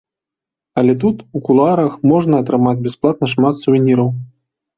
Але тут у кулуарах можна атрымаць бясплатна шмат сувеніраў.